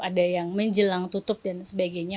ada yang menjelang tutup dan sebagainya